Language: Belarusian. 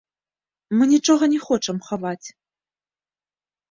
Мы нічога не хочам хаваць.